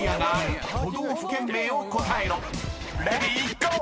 ［レディーゴー！］